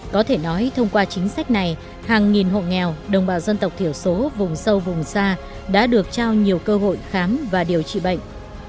có thể nói thông qua chính sách này hàng nghìn hộ nghèo đồng bào dân tộc thiểu số vùng sâu vùng xa đã được trao nhiều cơ hội khám và điều trị bệnh